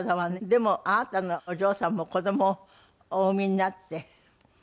でもあなたのお嬢さんも子どもをお産みになって。